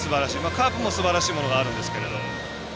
カープもすばらしいものがあるんですけど。